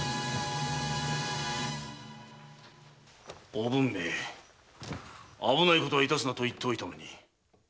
おぶんめ危ないことは致すなと言っておいたのに。